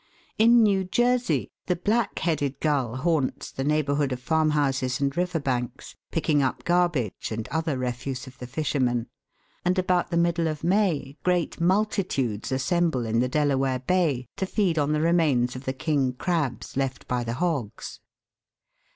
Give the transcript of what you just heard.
In New Jersey, the black headed gull haunts the neigh bourhood of farmhouses and river banks, picking up garbage and other refuse of the fishermen ; and about the middle of May great multitudes assemble in the Delaware Bay to feed on the remains of the king crabs left by the hogs.